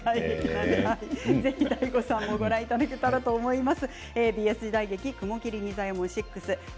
ぜひＤＡＩＧＯさんをご覧いただけたらと思います。